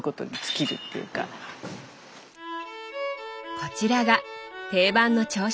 こちらが定番の朝食。